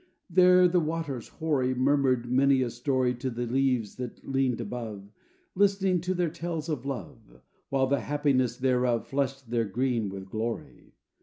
There the waters hoary Murmured many a story To the leaves that leaned above, Listening to their tales of love, While the happiness thereof Flushed their green with glory.